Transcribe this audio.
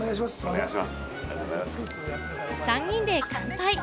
３人で乾杯。